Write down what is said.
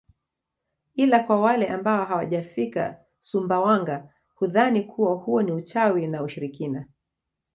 Ila kwa wale ambao hawajafika Sumbawanga hudhani kuwa huo ni uchawi na ushirikina